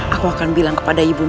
aku akan bilang kepada ibu merah